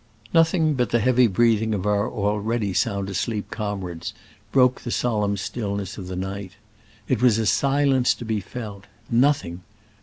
Nothing but the heavy breathing of our already sound asleep comrades * J. G. Whittier: Suow Btmnd. broke the solemn stillness of the night. It was a silence to be felt. Nothing